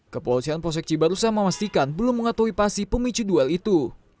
kepolisian prosyek cibarusah memastikan belum mengatuhi pasi pemicu duel itu